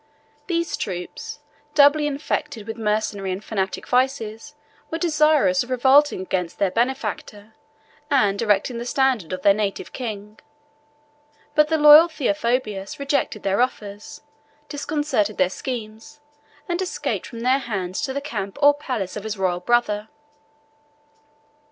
These troops, doubly infected with mercenary and fanatic vices, were desirous of revolting against their benefactor, and erecting the standard of their native king but the loyal Theophobus rejected their offers, disconcerted their schemes, and escaped from their hands to the camp or palace of his royal brother.